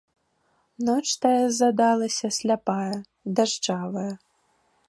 Ноч тая задалася сляпая, дажджавая.